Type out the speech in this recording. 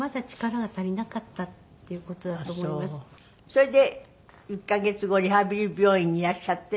それで１カ月後リハビリ病院にいらっしゃって。